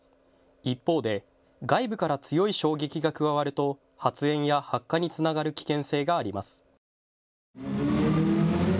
一方で外部から強い衝撃が加わると発煙や発火につながる危険性があります。